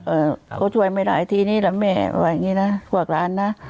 เอ่อเขาช่วยไม่หลายทีนี้แหละแม่ว่าอย่างงี้น่ะพวกร้านน่ะ